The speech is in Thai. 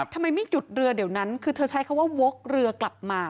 ทำไมไม่หยุดเรือเดี๋ยวนั้นคือเธอใช้คำว่าวกเรือกลับมา